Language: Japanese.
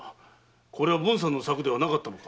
これは文さんの策ではなかったのか？